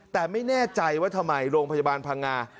แต่ไม่แน่ใจว่าทำไมโรงพยาบาลพังงา